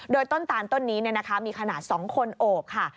โดยต้นตาลต้นนี้มีขนาด๒คนโอบค่ะ